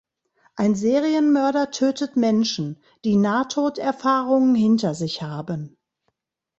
Ein Serienmörder tötet Menschen, die Nahtod-Erfahrungen hinter sich haben.